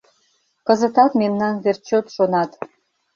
— Кызытат мемнан верч чот шонат.